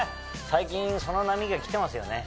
最近その波が来てますよね。